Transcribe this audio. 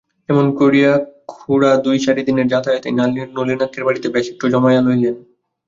এমনি করিয়া খুড়া দুই-চারি দিনের যাতায়াতেই নলিনাক্ষের বাড়িতে বেশ একটু জমাইয়া লইলেন।